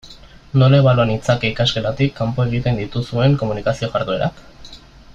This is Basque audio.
Nola ebalua nitzake ikasgelatik kanpo egiten dituzuen komunikazio jarduerak?